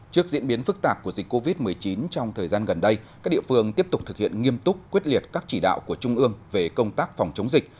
trước diễn biến phức tạp của dịch covid một mươi chín trong thời gian gần đây các địa phương tiếp tục thực hiện nghiêm túc quyết liệt các chỉ đạo của trung ương về công tác phòng chống dịch